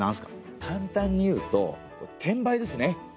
簡単に言うと転売ですね。